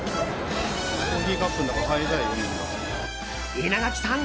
稲垣さん！